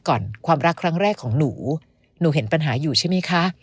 ก่อนความรักครั้งแรกของหนูหนูเห็นปัญหาอยู่ใช่ไหมคะ